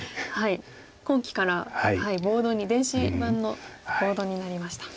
今期からボードに電子版のボードになりました。